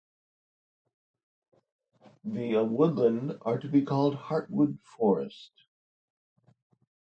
The of woodland are to be called Heartwood Forest.